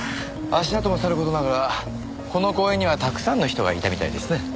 足跡もさる事ながらこの公園にはたくさんの人がいたみたいですね。